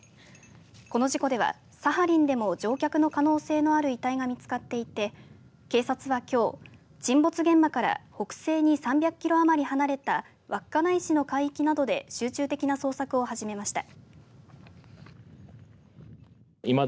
この事故では、サハリンでも乗客の可能性のある遺体が見つかっていて警察はきょう、沈没現場から北西に３００キロ余り離れた稚内市の海域などで集中的な捜索を始めました。